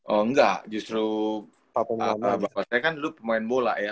oh enggak justru bapak saya kan dulu pemain bola ya